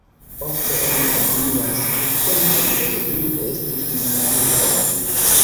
Ofte oni opinias, ke kelkaj el ili estis malamikoj.